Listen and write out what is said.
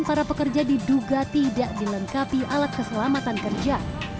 para pekerja diduga tidak dilengkapi alat keselamatan kerja